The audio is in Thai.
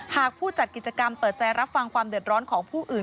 หากผู้จัดกิจกรรมเปิดใจรับฟังความเดือดร้อนของผู้อื่น